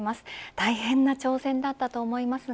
大変な挑戦だったと思いますが